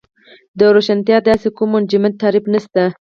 د روښانتیا داسې کوم منجمد تعریف نشته.